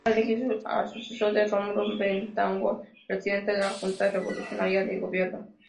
Para elegir al sucesor de Rómulo Betancourt, Presidente de la Junta Revolucionaria de Gobierno.